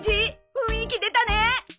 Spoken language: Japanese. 雰囲気出たね！